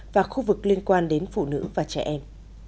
và khu vực liên quan đến phụ nữ và trẻ em